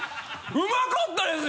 うまかったですよ？